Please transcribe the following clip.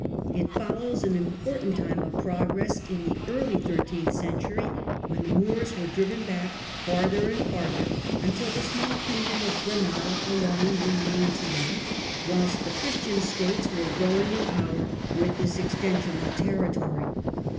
'^^^ It follows an important time of progress in the early thirteenth century, when the Moors were driven back farther and farther, until the small Kingdom of Gran ada alone remained to them, whilst the Christian States were growing in power with this extension of territory.